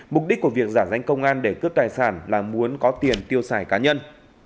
mục đích của việc giả danh công an để cướp tài sản là muốn có tiền tiêu xài cá nhân